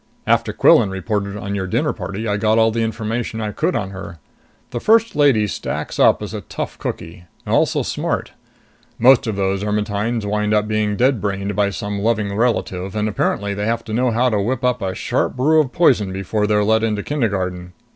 After Quillan reported on your dinner party, I got all the information I could on her. The First Lady stacks up as a tough cookie! Also smart. Most of those Ermetynes wind up being dead brained by some loving relative, and apparently they have to know how to whip up a sharp brew of poison before they're let into kindergarten.